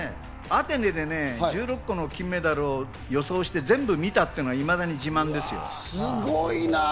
アテネで１６個の金メダルを予想して全部見たっていうのがいすごいなぁ。